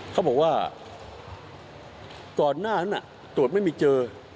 เขาบอกว่าก่อนหน้านั้นตรวจไม่มีเจอ